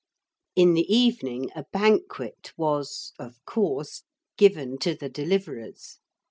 In the evening a banquet was (of course) given to the Deliverers.